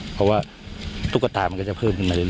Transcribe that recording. เพราะว่าตุ๊กตามันก็จะเพิ่มขึ้นมาเรื่อ